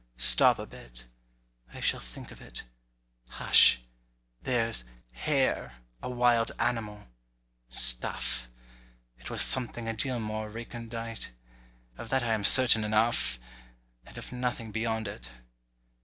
Stop a bit—I shall think of it—hush! There's hare, a wild animal—Stuff! It was something a deal more recondite: Of that I am certain enough; And of nothing beyond it.